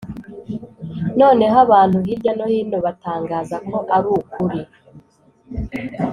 noneho abantu hirya no hino batangaza ko arukuri